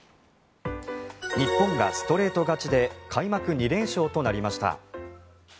日本がストレート勝ちで開幕２連勝となりました。